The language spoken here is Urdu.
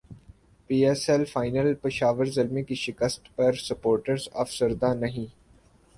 پی S L final Peshawar Zalmi کی شکست پر سپورٹرز افسردہ نہیں